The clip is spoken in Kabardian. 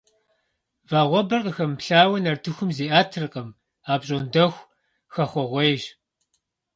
Вагъуэбэр къыхэмыплъауэ нартыхум зиӀэтыркъым, апщӀондэху хэхъуэгъуейщ.